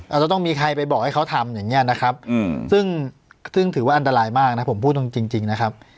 จะต้องมีใครไปบอกให้เขาทำอย่างนี้นะครับซึ่งถือว่าอันตรายมากนะผมพูดตรงจริงนะครับ